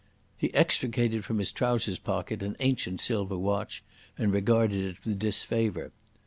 He extricated from his trousers pocket an ancient silver watch, and regarded it with disfavour.